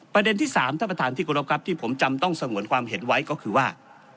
ประเด็นที่๓ท่านประธานที่กรบครับที่ผมจำต้องสงวนความเห็นไว้ก็คือว่า